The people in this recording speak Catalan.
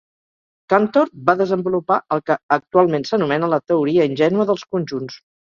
Cantor va desenvolupar el que actualment s'anomena la teoria ingènua dels conjunts.